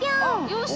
よし！